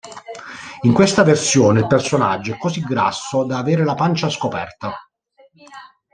In questa versione il personaggio è così grasso da avere la pancia scoperta.